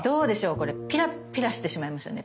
これピラッピラしてしまいましたね。